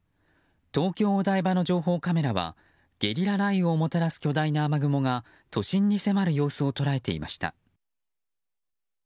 東京・お台場の情報カメラはゲリラ雷雨をもたらす巨大な雨雲が都心に迫る様子を捉えていました。